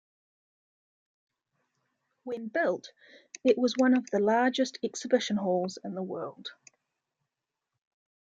When built it was one of the largest exhibition halls in the world.